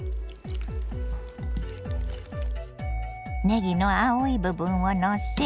ねぎの青い部分をのせ。